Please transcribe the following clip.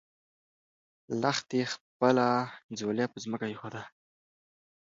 لښتې خپله ځولۍ په ځمکه کېښوده.